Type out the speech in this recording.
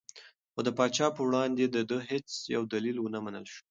خو د پاچا په وړاندې د ده هېڅ یو دلیل ونه منل شو.